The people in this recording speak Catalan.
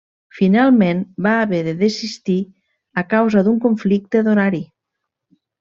Finalment, va haver de desistir a causa d'un conflicte d'horari.